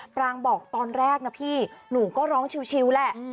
ปรางบอกตอนแรกนะพี่หนูก็ร้องชิวแหละ